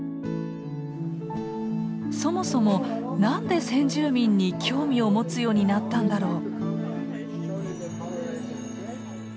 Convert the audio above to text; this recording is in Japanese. そもそも何で先住民に興味を持つようになったんだろう？